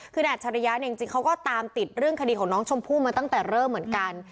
คืออัจฉริยะเนี่ยจริงเขาก็ตามติดเรื่องคดีของน้องชมพู่มาตั้งแต่เริ่มเหมือนกัน